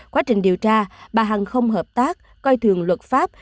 quá trình điều tra bà hằng không hợp tác coi thường luật pháp